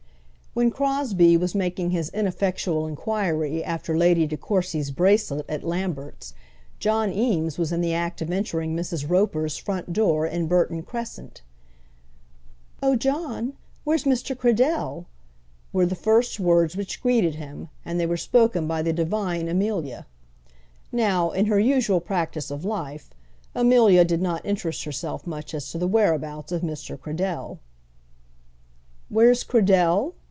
When Crosbie was making his ineffectual inquiry after Lady De Courcy's bracelet at Lambert's, John Eames was in the act of entering Mrs. Roper's front door in Burton Crescent. "Oh, John, where's Mr. Cradell?" were the first words which greeted him, and they were spoken by the divine Amelia. Now, in her usual practice of life, Amelia did not interest herself much as to the whereabouts of Mr. Cradell. "Where's Cradell?"